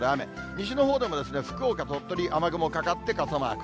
西のほうでも福岡、鳥取、雨雲かかって傘マーク。